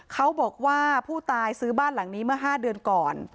เขาบอกว่าผู้ตายซื้อบ้านหลังนี้เมื่อ๕เดือนก่อน